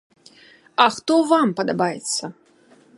А хто вам падабаецца?